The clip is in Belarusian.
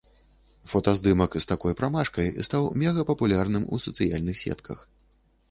Фотаздымак з такой прамашкай стаў мегапапулярным у сацыяльных сетках.